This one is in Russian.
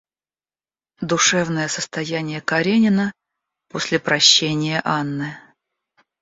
Душевное состояние Каренина после прощения Анны.